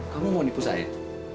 kamu mau dipindahkan